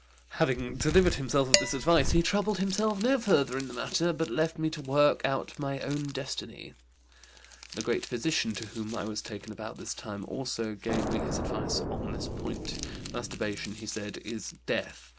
Having delivered himself of this advice he troubled himself no further in the matter, but left me to work out my own destiny. The great physician, to whom I was taken about this time, also gave me his advice on this point. 'Masturbation,' he said, 'is death.